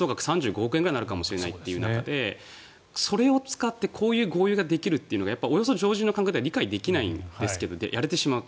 被害総額３５億円になるかもしれないという中でこういう豪遊ができるというのはおよそ常人の考えでは理解できないんですがやれてしまうと。